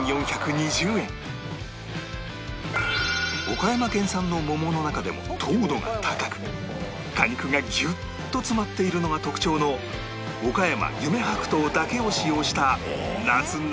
岡山県産の桃の中でも糖度が高く果肉がギュッと詰まっているのが特徴のおかやま夢白桃だけを使用した夏ならではのメニュー